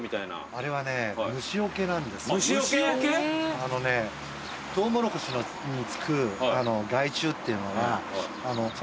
あのねトウモロコシに付く害虫っていうのは。